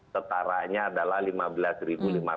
setaranya adalah rp lima belas